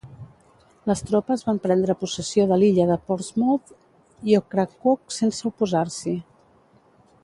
Les tropes van prendre possessió de l'illa de Portsmouth i Ocracoke sense oposar-s'hi.